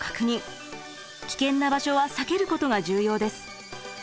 危険な場所は避けることが重要です。